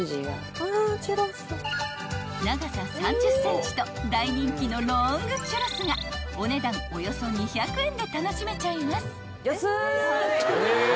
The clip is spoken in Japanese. ［長さ３０ｃｍと大人気のロングチュロスがお値段およそ２００円で楽しめちゃいます］